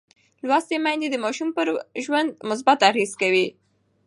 لوستې میندې د ماشوم پر ژوند مثبت اغېز کوي.